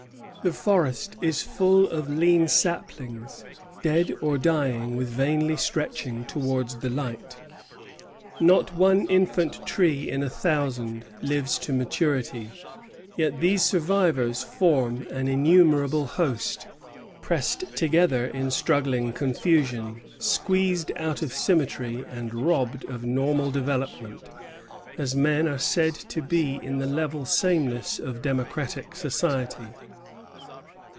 The forest is full of lean saplings dead or dying with vainly stretching towards the light. Not one infant tree in a thousand lives to maturity; yet these survivors form an innumerable host, pressed together in struggling confusion, squeezed out of symmetry and robbed of normal development, as men are said to be in the level sameness of democratic society.